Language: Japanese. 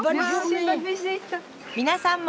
皆さんも！